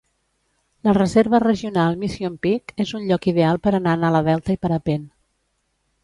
La Reserva Regional Mission Peak és un lloc ideal per anar en ala delta i parapent.